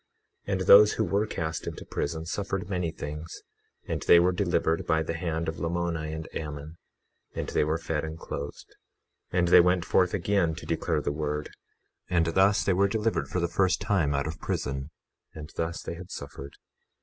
21:14 And those who were cast into prison suffered many things, and they were delivered by the hand of Lamoni and Ammon, and they were fed and clothed. 21:15 And they went forth again to declare the word, and thus they were delivered for the first time out of prison; and thus they had suffered.